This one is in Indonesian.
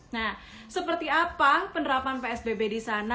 nah seperti apa penerapan psbb disana